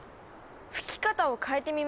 吹き方を変えてみますね。